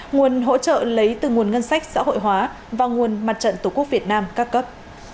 nguồn hỗ trợ lấy từ nguồn ngân sách xã hội hóa và nguồn mặt trận tổ quốc việt nam ca cấp